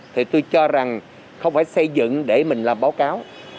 thì tôi cho rằng không phải xây dựng để mình làm báo cáo